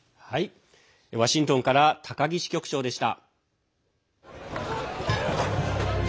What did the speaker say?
ワシントンから高木支局長でした。